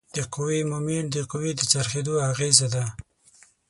د قوې مومنټ د قوې د څرخیدو اغیزه ده.